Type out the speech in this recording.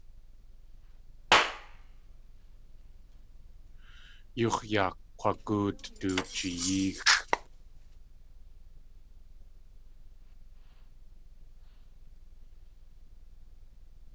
Yux̲ yaa kk̲wagóot du jiyeexʼ.